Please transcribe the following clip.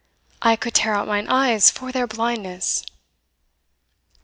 I could tear out mine eyes for their blindness!"